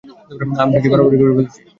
আমি কি বাড়াবাড়ি করে ফেলেছি?